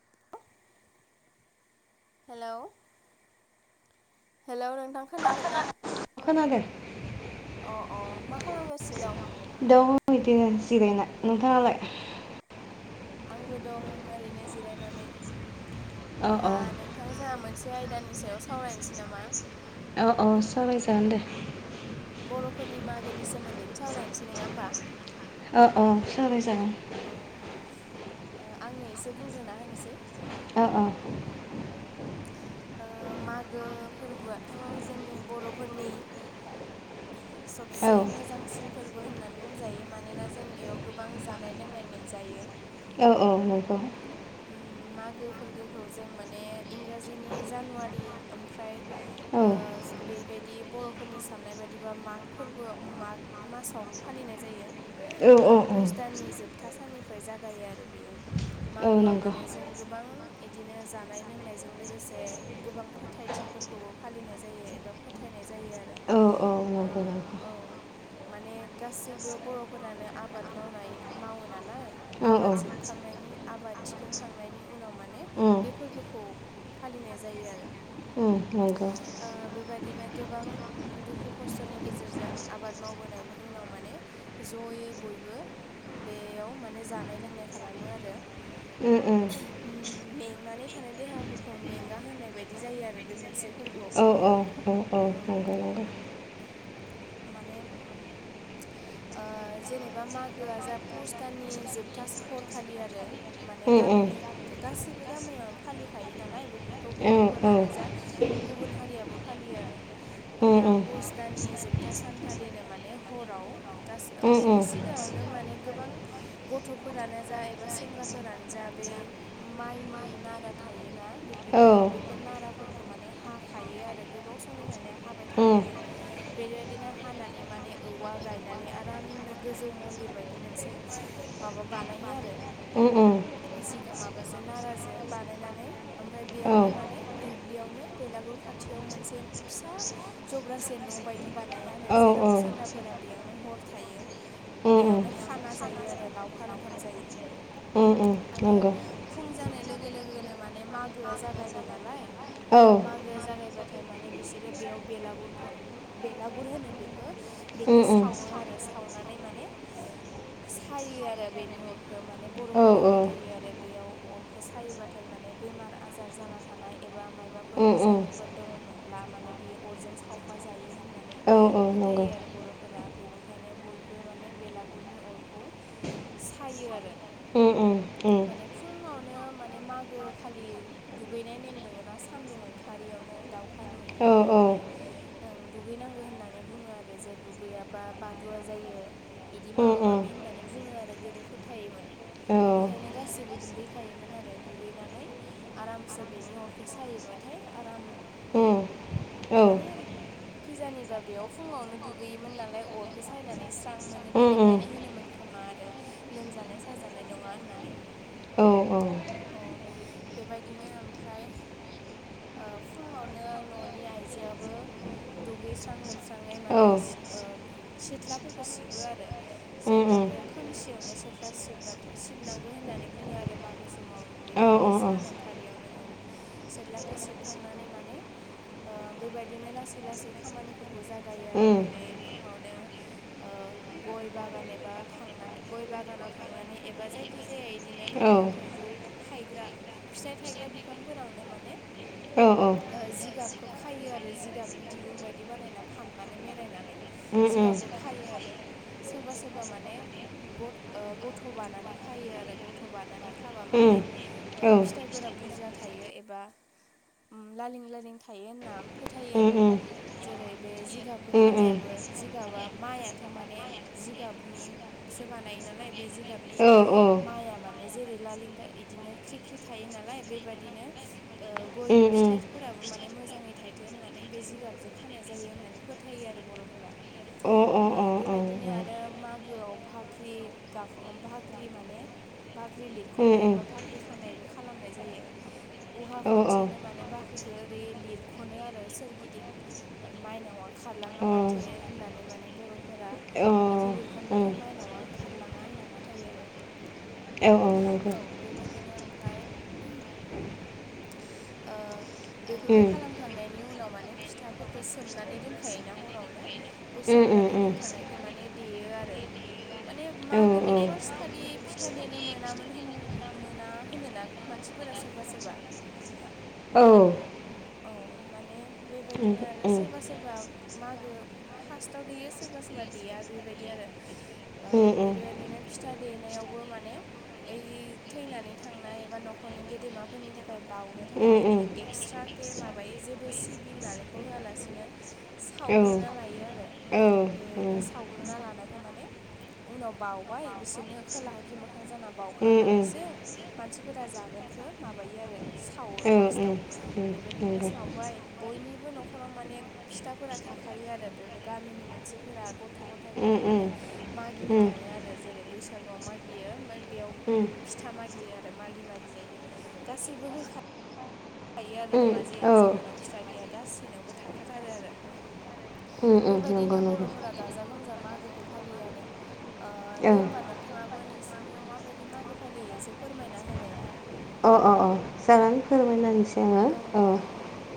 [unintelligible] Hello hello नोंथां खोनादों ना खोनादों अ अ मा खालामगासिनो दं दं बिदिनो जिरायना नोंथाङालाय आंबो दं' ओरैनो जिरायनानै औ औ होमबा नों नोंथां जोंहा मोनसे आयदानि सायाव सावरायनोसै नामा? औ औसावराय जागोन दे। बर'फोरनि मागोनि सोमोन्दैनो सावरायनोसै नोङा होमबा? अ अ सावराय जागोन। अ ओ आंनो एसे बुंग्रोना होनोसै। ओ ओ। ओ मागो फोरबोआथ' जोंनि बर'फोरनि औ सबसे मोजांसिन फोरबो होननानै बुंजायो मानोना जों बेयाव गोबां जानाय लोंनाय मोनजायो। औ औ नंगौ। उम मागो फोरबोखौ जों माने इंराजिनि जानुवारि ओमफ्राय औ ओ बेबायदि बर'फोरनि साननाय बायदिबा माग फोरबो माग मासाव फालिनाय जायो। औ ओ औ पुस दाननि जोबथा साननिफ्राय जागायो आरो बेयो। औ मागोआव नंगौ माने जों गोबां इदिनो जानाय लोंनायजों लोगोसे गोबां फोथायथिफोरखौबो फालिनाय जायो एबा फोथायनाय जायो आरो औ औ नंगौ ओ औ। नंगौ माने गासैबो बर'फोरानो आबाद मावनाय मावो नालाय। औ औ आबाद जोबखांनायनि आबाद थिखांखांनायनि उनाव माने उम बे फोरबोखौ फालिनाय जायो आरो। उम नंगौ। ओ बेबायदिनो गोबां दुखु खस्थ'नि गेजेरजों आबाद मावबोनायनि उनाव माने जयै बयबो बेयाव माने जानाय लोंनाय खालामो आरो। उम उम। उम मेंनानै थानाय देहाफोरखौ मेंगा होनाय बायदि जायो आरो बे मोनसे फोरबोआव। औ औ औ औ नंगौ माने ओ जेनेबा मागोआ जा पुस दाननि जोबथा सा हरखालि आरो। माने नंगौ उम उम गामिनि गासैबो गा-गामियावनो फालिखायो नालाय बेफोरखौ उम बर'फोरानो जा गुबुन हारियाबो फालियो आरो दा उम पुस दाननि जोब बथा सानखालिनो माने हराव गास उम बेनि उम सिगाङावनो माने गोबां गथ'फोरानो जा एबा सेंग्राफोरानो जा बे माइनि नारा थायोना दुब्लिफोराव बेफोर नाराफोरखौ माने हाखायो आरो गोबाव समनिफ्रायनो हाबाय औ थाखायो। बेबायदिनो हानानै माने औवा गायनानै आरामनो गोजौ मन्दिर बायदि मोनसे माबा बानायो आरो। उम उम। जिगा माबाजों नाराजों बानायनानै ओमफ्राय औ बेयावनो माने दुब्लियावनो बेलागुर खा खाथियाव मोनसे फिसा जब्रासे न' बायदि बिदि बानायो औ आरो जेराव सेंग्राफोरा बेयावनो हर थायो। उम उम बेयावनो खाना जायो आरो लावखार ओंखाम जायो। उम उम आरो नंगौ फुं जानाय लोगो लोगोनो माने मागोआ जागायबाय नालाय औ। मागोआ जागायबाथाय माने बिसोरो बेयाव बेलागुरखौ बेलागुर होनो बेखौ उम बेखौ उम सावो आरो सावनानै माने सायो आरो बेनि अ'रखौ माने औ बर'फोरा फोथायो आरो बेयाव अ'र सायोबाथाय माने बेमार आजार जाना थानाय एबा माइबाफोर उम उम बिजानुफोर दङ'मोन लम्बा माने बियो अ'रजों सावफा जायो होननानै औ औ नंगौ फोथायो आरो बर'फोरा बेनि ओंखायनो बयबो माने बेलागुरनि अरखौ सायो आरो। उम उम। उम [unintelligible] माने फुङावनो माने मागो खालि दुगैनाय नेम दोङो ना सान्दुं ओंखारियावनो दाउ खा औ औ नुयियावनो माने ओं। दुगैनांगौ होननानै बुङो आरो जे दुगैयाबा बादुवा जायो। इदि उम औ उम औ उम औ उम माबा उम माबि होननानै बुङो आरो गोदो फोथायोमोन। बेनिखायनो गासिबबो दुगैखायोमोन आरो दुगैनानै आरामसे बेनि अरखै सायहैबाथाय आराम मानेम खिजानिबा बेयाव फुङावनो दुगैयोमोन नालाय अरखौ सायनानै स्रां मोनो बेनिखायनो होनोमोन खोमा आरो। लोमजानाय साजानाय नङा होननानै। औ औ। औ बेबायदिनो ओमफ्राय। ओ फुङावनो न'नि आइजोयाबो दुगैस्रां लोबस्राङै माने सिद ओ सिथ्लाफोरखौ सिबो आरो। जेललाखौ खोमसियावनो सेथ्ला सिबबाथो सिबनांगौ होननानै बुङो आरो मागो समाव। औ बेबायदि औ सान ओंख खारियावनो ओं सेललाखौ सिबखांनानै माने ओ बेबायदिनो लास लासै खामानिफोरखौ जागायो आरो उम बेरे फुङावनो। ओ गय बागान एबा थांनानै गय बागानाव थांनानै एबा जाय खिजेया इदिनो औ खान्थाल थाइजौ थायग्रा फिथाइ थायग्रा बिफांफोरावनो माने औ औ। ओ जिगाबखौ खायो आरो जिग गाबनि दिरुं बायदि बानायना फाननानै मेरायनानै उम उम जिगाबखौ खायो आरो। सोरबा सोरबा माने गद ओ गथ' बानानै खायो आरो गथ' बानानै खा हाबा माने उम ओ औ फिथाइ फोरा बुरजा थायो एबा उम लालिं लालिं थायो होनना फोथायो उम आरो। जेरै बे जिगाबखौ उम उम खानायाबो जिगाबा माइआथ' माने जिगाबनि सो बानायो नालाय बे जिगाबनि औ औ माइआ मान ने जेरै लालिंथा इदिनो ख्रि ख्रि थायो नालाय बेबादिनो। ओ गय उम उम फिथाइफोराबो माने मोजाङै थाय थो होननानै बे जिगाबजों खानाय जायो होननानै फोथायो आरो बर'फोरा। अ ओ बेबायदिनो आरो उम मागोआव फाख्रि गाख बाख्रि माने बाख्रि लिरख'नाय उम एबा फा औ औ [unintelligible] खनो आरो सोरगिदिं। माइनावा खारलांनाङाथे अ होननानै माने बर'फोरा। अ बिदि उम लिरखनबाथाय माइनावआ ओंखारलाङा होनना फोथायो आरो। औ औ नंगौ। बेबायदिनो ओमफ्राय ओ बेफोरखौ खालाम खांनायनि उनाव माने फिथाफोरखौ सोमनानै दोनखायोना हरावनो बे सोमनानै दोनखानाय सोममाने देयो आरो। माने मागोनि फार्स्ट खालि फिथा देनो मोनामोन होन मोना होनोना। मानसिफोरा सोरबा सोरबा। औ। औ माने बेबायदिनो आरो सोरबा सोरबा मागो फार्स्टआव देयो सोरबा सोरबा देया बेबायदि आरो। ओ बेदिबायदिनो फिथा देनायावबो माने यै थैनानै थांनाय एबा न'खरनि गेदेमाफोरनि थाखाय बावनो थाखाय ए एक्स्रा। के माबायो जेबो सिबिं नालेंखर होआलासिनो सावग्रोना लायो आरो। उम बेखौ सावग्रोना लानायखौ माने उनाव बावबाय बिसोरनो खोला खि मोखां जाना उम उम बाउखांनानैसो मानसिफोरा जागोनखौ माबायो आरो सावो ओं नेक्स्टआव बेबायदिनो ओं सावबाय बयनिबो न'खराव माने फिथाफोरा थाखायो आरो बे गामिनि मानसि फोर गथ' गथायाइफोरा नंगौ ओम माने मागिनो ओम थाङो आरो जेरै बैसागुआव मागियो ओमफ्राय बेयाव फिथा मागियो आरो मागि मागि जायो गासैबो होखाखायो आरो नङा जे ओम औ जोंहानाव फिथसा गैया गाससिनावबो थाखाथारो आरो ओम ओम नंगौ बेबायदिनो नंगौ बर'फोरा गाजा गोमजा मागोखौ फालियो आरो दे ओं होमबा नोंथाङाबो नोंसोरनियाव माबायदि मागो फालियो एसे फोरमायना होनो ना अ अ अ सार आं फोरमायनानैसै आंङो औ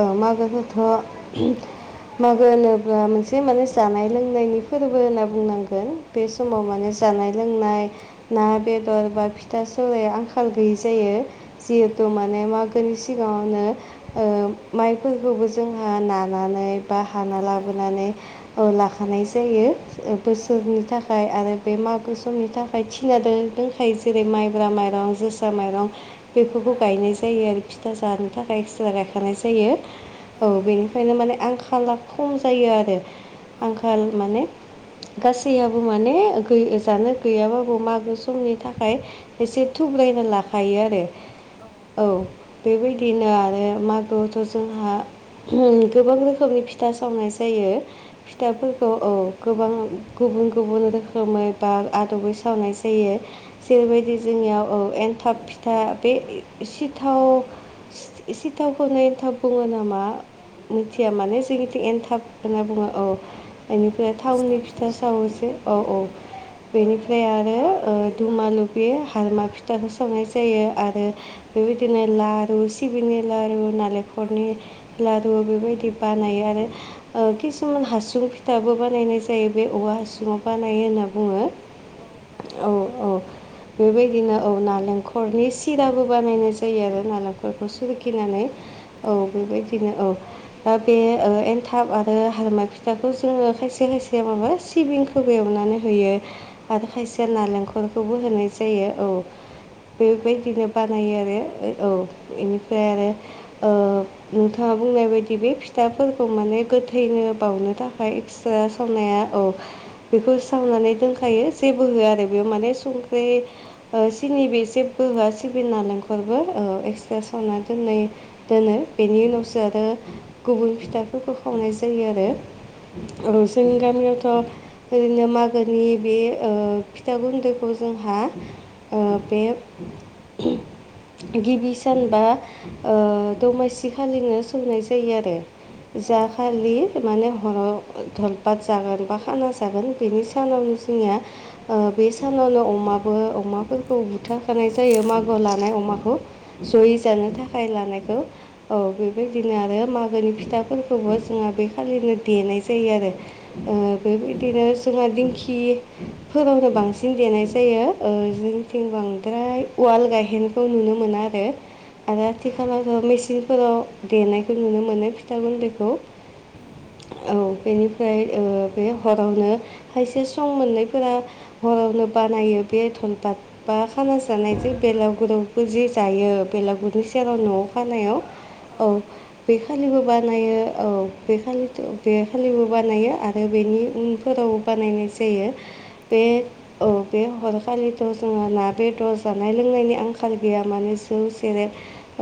औ मागोखौथ' औ मागो होनोब्ला मोनसे माने जानाय लोंनायनि फोरबो होनना बुंनांगोन बे औ समाव माने जानाय लोंनाय ना बेदर बा फिथा सौल आंखाल गैयै जायो उम जिहेथु उम माने म सिगाङावनो माइफोरखौबो जोंहा नानानै बा हाना औ लाबोनानै लाखानाय जायो उम बोसोरनि थाखाय आरो बे मागो समनि थाखाय थिना दंखायो जेरै माइब्रा माइरं जोसा औ माइरं बेफोरखौ गायनाय ज जायो आरो फिथा जानो थाखाय सिथला गायखानाय जायो औ बेनिखायनो माने आं खाला खम जायो आरो औ आंखाल माने गासैयावबो माने गोै जानो गैयाबाबो मागो समनि थाखाय एसे थुब्लायना लाखायो आरो औ औ बेबायदिनो आरो मागोआवथ' जोंहा गोबां रोखोमनि फिथा सावनाय जायो उम फिथाइफोरखौ औ गोबां गुबुन गुबुन रोखोमै बा आदबै सावनाय जायो जेरैबायदि जोंनियाव औ एनथाब फिथा बे सिथाव सिथावखौ ननायन्थाव बुङो नामा मिथिया औ माने औ औ जोंनिथ' एनथाब होनना बुङो औ ओं बेनिफ्राय थावनि सिथाव होनो फिथा सावोसै औ औ उम बेनिफ्राय आरो दुमालुब हालमा फिथाखौ सावनाय जायो आरो औ बेबायदिनो लारु सिबिंनि लारु औ नारेंखलनि लारु बेबायदि बानायो आरो औ खिसुमान हासुं फिथाबो बानायनाय जायो बे औवा हासुङाव बानायो होनना बुंङो औ औ बानायो औ बेबायदिनो औ नालेंखरनि सिराबो बानायनाय जायो आरो नालेंखरखौ उम उम सोरखिनानै औ बेबायदिनो औ बे एनथाब आरो हालमा फिथाखौ जोङो खायसे खायसे माबा सिबिंखौ खौ एवनानै होयो आरो औ खायसेया नालेंखरखौबो होनाय जायो औ बेबायदिनो बानायो आरो औ बेनिफ्राय आरो नोंथाङा बुंनाय बायदि बे फिथाफोरखौ माने गोथैनो बावनो थाखाय एक्सट्रा सावनाया औ [inaudible] बेखौ उम सावनानै दोनखायो जेबो होआ आरो बेयाव माने संख्रि सिनि बे जेबो होआ सिबिं नालेंखरबो एक्सट्रा सावना दोननाय दोनो बेनि उनावसो आरो गुबुन फिथाफोरखौ खावनाय जायो आरो औ जोंनि गामियावथ ओरैनो मागोनि बे फिथा गुन्दैखौ जोंहा ओ बेे [inaudible] गिबि सानबा दमासि खालिनो सौनाय जायो आरो औ जाखालि माने हराव धलपात जागोन बा खाना जागोन बेनि सानावनो जोंनिया ओ बे उम सानावनो अमाबो अमाफोरखौ बुथाराखानाय जायो मागो लानाय अमाखौ जयै जानो थाखाय लानायखौ औ बेबायदिनो आरो मागोनि फिथाफोरखौबो जोंहा बेखालिनो देनाय जायो आरो। ओ‌ बेबायदिनो जोंहा दिंखि फोरावनो बांसिन देनाय जायो ओ जोंथिं बांद्राय उवाल गायहेनखौ नुनो मोना आरो। आरो आथिखालावथ' मेचिनफोराव देनायखौ नुनो मोनो फिथा गुन्दैखौ उम उम औ बेनि ओमफ्राय ओ बे हरावनो खायसे सं मोननायफोरा हरावनो बानायो बे बाद बा खाना जानायजों बेंलागुरयावबो जि जायो बेंलागुरनि सेराव औ न'आव खानायाव औ औ‌। बेखालिबो बानायो औ औ औ बेखालिथ' बे खालिबो बानायो आरो बेनि उम, उनफोरावबो बानायनाय जायो। औ बे औ बे हरखालिथ' जोंहा ना बेदर जानो जानाय लोंनायनि आंखाल गैया माने जौ सेरेब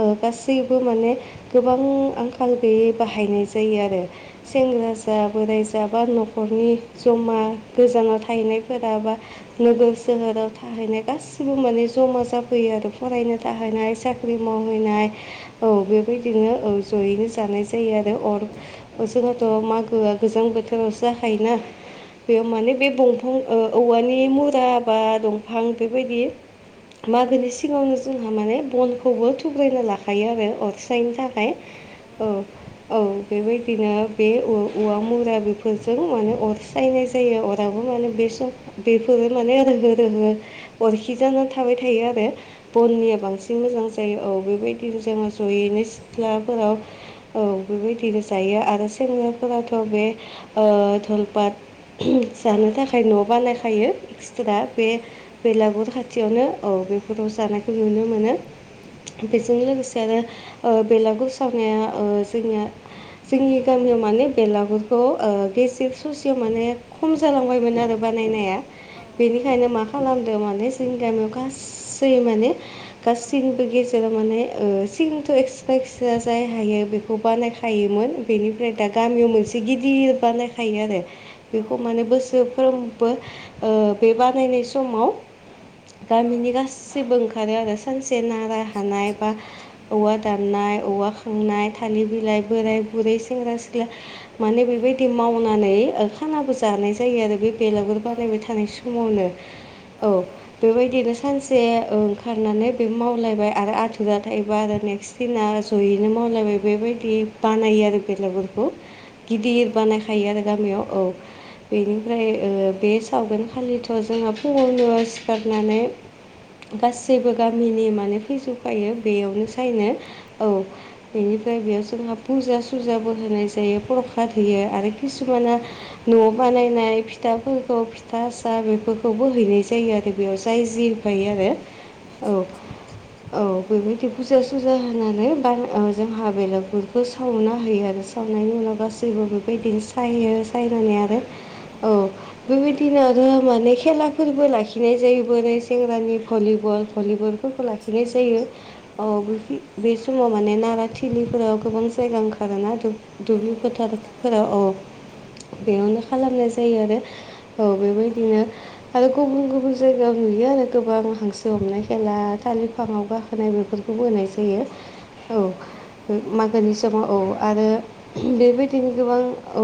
ओ गासैबो माने गोबां आंखाल गैयै बाहायनाय जायो आरो। औ सेंग्रा जा बोराय जा बा न'खर नखरनि जमा गोजानाव थाहैनायफोरा बा नोगोर सोहोराव थाहैनाय गासिबो माने ज'मा जाफैयो आरो फरायनो थाहैनाय साख्रि मावहैनाय औ बेबायदिनो औ। जयैनो जानाय जायो आरो अर जोंहाथ' मागोआ गोजां बोथोरावसो जाखायोना बेयाव माने बे दंफां ओ औवानि मुरा बा दंफां बेबायदि औ मागोनि सिगाङावनो जोंहा माने बनखौबो थुग्रायना लाखायो आरो अर नो औ थाखाय नंगौ औ नंगौ नंगौ औ बेबायदिनो बे औ औवा मुरा बेफोरजों माने अर स्रायनाय जायो अरावबो माने बे सम बेफोरो उम माने रोहो रोहो अरखि जानो थाबाय थायो आरो औ बननिया औ बांसिन मोजां जायो औ बेबायदिनो उम जोङो जयैनो सिथ्लाफोराव औ बेबायदिनो जायो आरो सेंग्राफोराथ' बे ओ धलपात जानो थाखाय न' बानायखायो एक्सट्रा उम बे उम बेलागुर खाथि खाथियावनो औ बेफोराव जानायखौ नुनो मोनो। बेजों लोगोसे आरो बेलानगुर सावनाया जोंनिया जोंनि गामियाव माने बेलांगुरखौ ओ बेसेक ससेयाव माने खम जालांबायमोन आरो बानायनाया औ बेनिखायनो मा खालामदों माने जोंनि गामियाव गासै माने औ गासिमबो गे फोर माने ओ सिंथ' एक्सट्रा-एक्सट्रा जाय हायो बेखौ बानायखायोमोन। बेनिफ्राय दा गामियाव मोनसे गिदिर बानायखायो आरो औ बेखौ माने बोसोरफ्रोम बो ओ बे बानायनाय समाव औ गामिनि गासैबो ओंखारो आरो सानसे नारा आतसा हानाय आतसा बा औ आतसा औवा औ दाननाय औवा खांनाय थालिर बिलाइ बोराय आतसा बुरै सेंग्रा-सिख्ला माने बेबायदि मावनानै ओ खानाबो जानाय जायो आरो बे बेलांगुर बानायबाय थानाय समावनो औ बेबायदिनो सानसे ओंखारनानै बे मावलायबाय आरो आथुरजाथायाइबाय आरो नेक्स्ट सिना सयैनो मावलायबाय बेबायदि बानायो आरो बेलाफोरखौ [inaudible] गिदिर बानाय खा थायो आरो गामियाव औ बेनिफ्राय ओ बे सावगोन खालिथ' जोंहा फुं फुंआव सिखारनानै गासैबो गामिनि माने फैजोबखायो बेयावनो साइनो औ बेनिफ्राय बेयाव जोंहा फुजा सुजाबो होनाय जायो प्रखाद होयो आरो किसुमाना न' बानायनाय फिथाफोरखौ फिथा सा बेफोरखौबो हैनाय जायो आरो बेयाव जाय जि होफायो आरो औ आतसा-आतसा। औ बेबायदि फुजा-सुजा होनानै बा ओ जोंहा बेलागुरखौ सावना होयो आरो। सावनायनि उनाव गासैबो बेबायदिनो सायो सायनानै औ आरो उम औ बेबायदिनो आरो माने खेला फोरबो लाखिनाय जायो बो नै सेंग्रानि भलिबल भलिबल। फोरखौ लाखिनाय आदसा जायो औ बे बे समाव माने नाराथिलिफोराव गोबां जायगा ओंखारोना दु दुब्लि औ ओंखारो फोथारफोराव औ उम बेयावनो खालामनाय जायो आरो औ उम उम बेबायदिनो आरो गुबुन-गुबुन जायगायाव नुयो आरो गोबां हांसो हमनाय खेला थाालिर फाङावबा गा खोनाय बेफोरखौबो होनाय जायो। औ औ-औ। मागोनि समाव औ आरो बेबायदिनो गोबां औ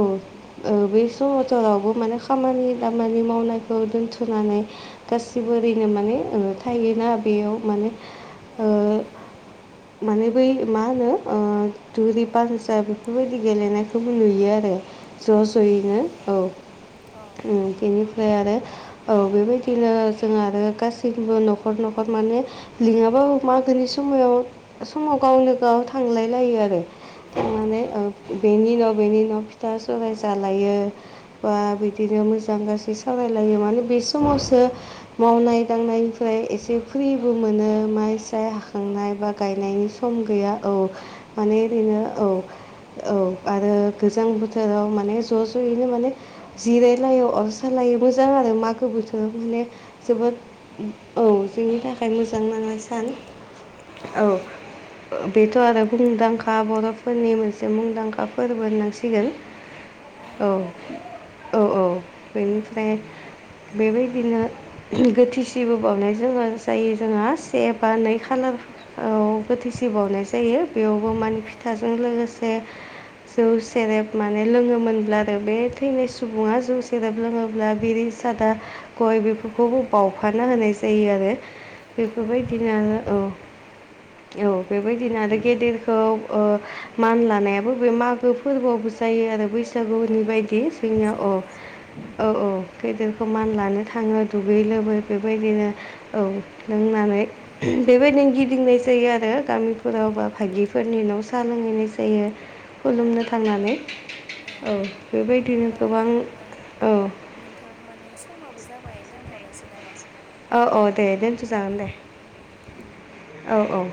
ओ बै समावथ' रावबो माने खामानि दामानि मावनायखौ दोनथ' सुनानै गासिबो ओरैनो माने थायोना बेयाव माने न'आव ओ थायो आङो। माने बै मा होनो ओ दुरि पानसा बेफोरबायदि गेलेनायखौबो नुयो आरो ज'-ज' यैनो ओं औ औ बेनिफ्राय आरो औ बेबायदिनो जों आरो गासैबो न'खर-न'खर माने लिङाबाबो मागोनि समायाव समाव गावनो गाव थांलाय लायो आरो। थांनानै ओ ओं औ बेनि न'-बेनि न' फिथा सराय जालायो। बा बिदिनो मोजां गासै सावरायलायो मानो बे समावसो मावनाय दांनायनिफ्राय एसे फ्रिबो मोनो माइ ओं हाखांनाय बा गायनायनि सम गैया औ माने ओं ओरैनो औ औ आरो गोजां बोथोराव माने ज'-ज' यैनो माने जिरायलायो अर सायलायो मोजां आरो मागो ओं बोथोर' माने औ जोबोद नंगौ औ जोंनि थाखाय मोजां नाङा सान औ। बेथ' आरो मुंदांखा बर'फोरनि मोनसे मुंदांखा फोरबो होननांसिगोन। [unintelligible] [inaudible] औ-औ-औ बेनिफ्राय बेबायदिनो गोथैसिबो बावनाय जोङो जायो जोंहा। से एबा औ नै खालार औ गोथैसि बावनाय जायो बेयावबो माने ओम फिथाजों लोगोसे [unintelligible] [inaudible] जौ सेरेब माने लोङोमोनब्ला आरो बे थैनाय सुबुङा जौ सेरेब लोङोब्ला बिरि सादा गय बेफोरखौबो ओम बावफाना होनाय जायो आरो। औ औ बेफोरबायदिनो बाव औ। औ बेबायदिनो ओं आरो गेदेरखौ ओ मान लानायाबो बे मागो फोरबोआवबो जायो आरो औ बैसागुनि बायदि औ जोंनिया जायो औ-औ-औ। गैदेरखौ मान ओं लानो थाङो दुगै लोबै बेबायदिनो औ लोंनानै। ओम बेबायदिनो गिदिंनाय जायो आरो औ गामिफोराव बा भागिफोरनि न' सा लोंहैनाय जायो। खुलुमनो थांनानै औ बेबायदिनो होमबा गोबां ओं औ। नोंथां माने समाबो जाबाय दोनथ'नोसै नामा? औ-औ दे दोनथ'जागोन औ दे ओं औ-औ।